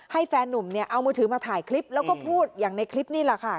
แฟนนุ่มเนี่ยเอามือถือมาถ่ายคลิปแล้วก็พูดอย่างในคลิปนี่แหละค่ะ